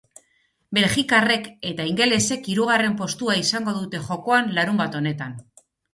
Belgikarrek eta ingelesek hirugarren postua izango dute jokoan larunbat honetan.